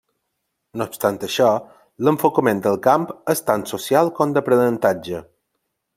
No obstant això, l'enfocament del camp és tant social com d'aprenentatge.